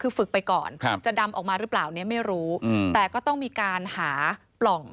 คือฝึกไปก่อนครับจะดำออกมาหรือเปล่าเนี่ยไม่รู้แต่ก็ต้องมีการหาปล่อง